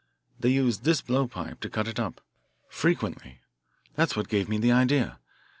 They use this blowpipe to cut it up, frequently. That's what gave me the idea.